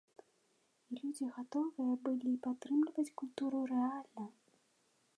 І людзі гатовыя былі падтрымліваць культуру рэальна!